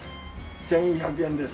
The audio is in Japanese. １１００円です。